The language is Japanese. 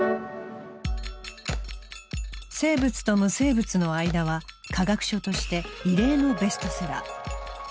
「生物と無生物のあいだ」は科学書として異例のベストセラー。